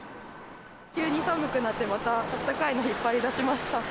急に寒くなって、また暖かいのを引っ張り出しました。